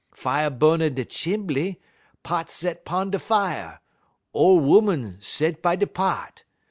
Fier bu'n in da chimbly, pot set 'pon da fier, ole ooman sed by da pot.